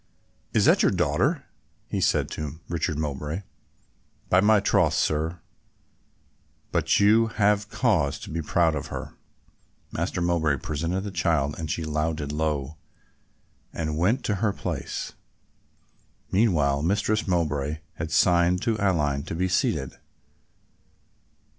"Is that your daughter?" he said to Richard Mowbray. "By my troth, sir, but you have cause to be proud of her." Master Mowbray presented the child and she louted low and went to her place. Meanwhile, Mistress Mowbray had signed to Aline to be seated.